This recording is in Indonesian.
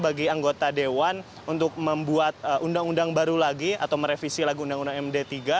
bagi anggota dewan untuk membuat undang undang baru lagi atau merevisi lagi undang undang md tiga